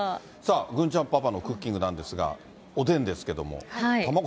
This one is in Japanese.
郡ちゃんパパのクッキングなんですが、おでんですけども。